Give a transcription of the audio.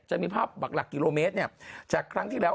จะมีภาพหลักกิโลเมตรจากครั้งที่แล้ว